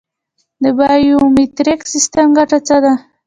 د بایومتریک سیستم ګټه څه ده؟